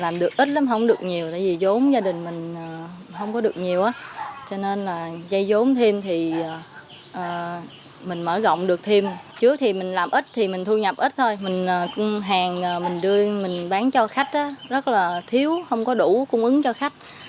mình mở rộng được thêm trước thì mình làm ít thì mình thu nhập ít thôi mình bán cho khách rất là thiếu không có đủ cung ứng cho khách